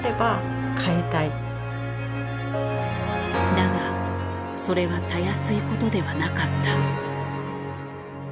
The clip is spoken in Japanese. だがそれはたやすいことではなかった。